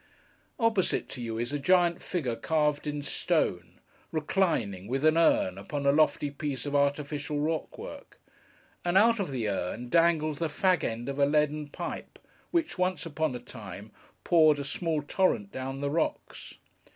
Opposite to you, is a giant figure carved in stone, reclining, with an urn, upon a lofty piece of artificial rockwork; and out of the urn, dangles the fag end of a leaden pipe, which, once upon a time, poured a small torrent down the rocks.